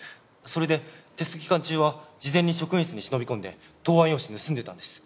それでテスト期間中は事前に職員室に忍び込んで答案用紙盗んでたんです。